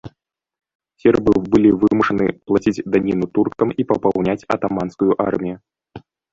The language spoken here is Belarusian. Сербы былі вымушаны плаціць даніну туркам і папаўняць атаманскую армію.